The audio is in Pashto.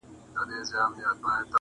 هره ګړۍ د کربلا سفر دے